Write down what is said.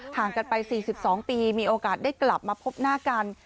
ห่างกันไป๔๒ปีมีโอกาสได้กลับมาพบหน้ากัน